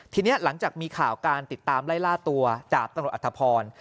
ทีนี้หลังจากมีข่าวการติดตามไล่ล่าตัวดาบตำรวจอัฐพร